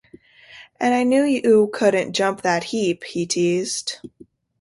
“And I knew you couldn’t jump that heap,” he teased.